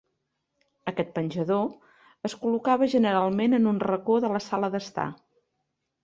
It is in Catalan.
Aquest penjador es col·locava generalment en un racó de la sala d'estar.